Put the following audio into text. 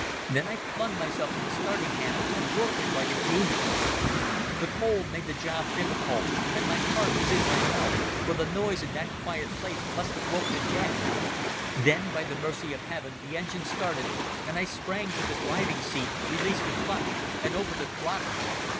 Then I flung myself on the starting handle and worked like a demon. The cold made the job difficult, and my heart was in my mouth, for the noise in that quiet place must have woke the dead. Then, by the mercy of Heaven, the engine started, and I sprang to the driving seat, released the clutch, and opened the throttle.